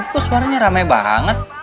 kok suaranya rame banget